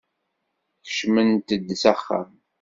Kecmemt-d s axxam.